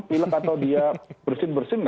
pilek atau dia bersin bersin